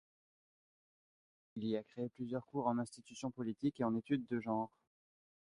Il y a créé plusieurs cours en institutions politiques et en études de genre.